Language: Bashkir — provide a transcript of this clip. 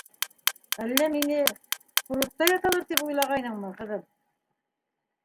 Әллә мине... курортта яталыр тип уйлағайныңмы, ҡыҙым?